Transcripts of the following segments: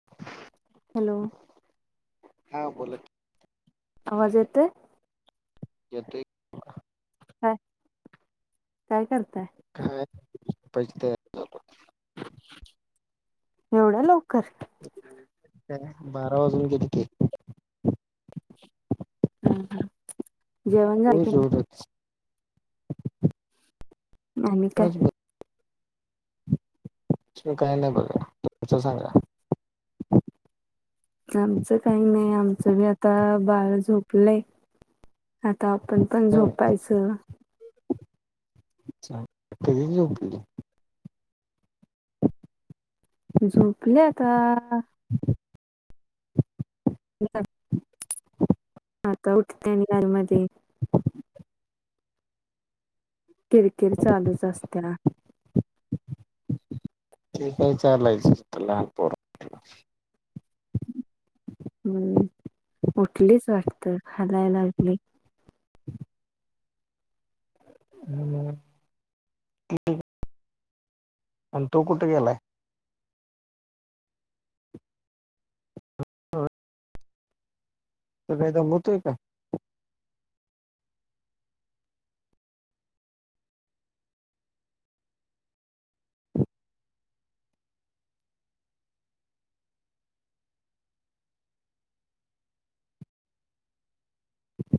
[unintelligible] Hello. हा बोला आवाज येतय. येतोय. का, काय करताय? काय [unintelligible] एवढया लवकर! काय बारा वाजून कितीके अ ह जेवण जाय रोज क रोजच आणि काय काही नाही बघ सांगा आमचं काही नाही आमचं बी आता बाळ झोपलंय आता आपण पण हं झोपायचं अच्छाक कली झोपल्या आता बम नेट आता उठते आणि घरमधे किरकिरी चालूच असते ना ठीक आहे चालायचंच तर लहान पोर हम्म उठलीच वाटतं हलाय लागली हम्म क अ तू कुठ गलाय त काहीदा होतोय का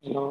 हो